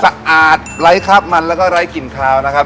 สะอาดไร้คราบมันแล้วก็ไร้กลิ่นคาวนะครับ